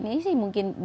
nah oleh karena itu